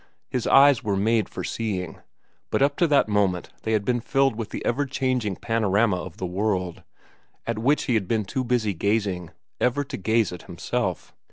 His eyes were made for seeing, but up to that moment they had been filled with the ever changing panorama of the world, at which he had been too busy gazing, ever to gaze at himself.